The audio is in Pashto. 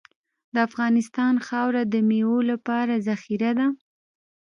د افغانستان خاوره د میوو لپاره زرخیزه ده.